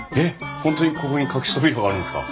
本当にここに隠し扉があるんですか？